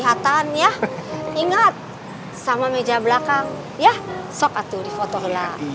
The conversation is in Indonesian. buat zus yang lama tidak boleh mencegah asal k pojawi